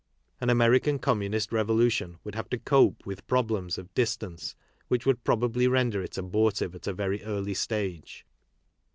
An American communist revolution would have to cope with problems of distance which would probably render it abortive at a very early stage.